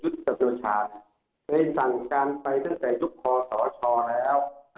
ท่านนายกรัฐบัตรีปฏิบัติยุทธประโยชน์ในสั่งการไปตั้งแต่ลูกคอสหชาแล้ว